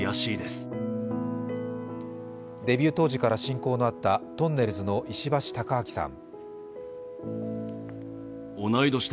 デビュー当時から親交のあった、とんねるずの石橋貴明さん。